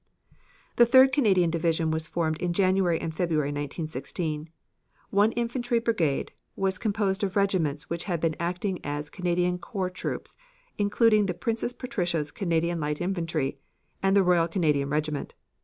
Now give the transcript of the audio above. The Third Canadian Division was formed in January and February, 1916. One infantry brigade was composed of regiments which had been acting as Canadian corps troops, including the Princess Patricia's Canadian Light Infantry, and the Royal Canadian Regiment.